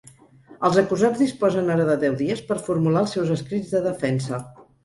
Els acusats disposen ara de deu dies per formular els seus escrits de defensa.